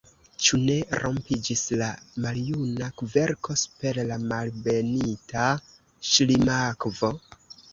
Ĉu ne rompiĝis la maljuna kverko super la Malbenita Ŝlimakvo?